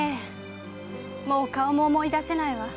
もう顔も思い出せないわ。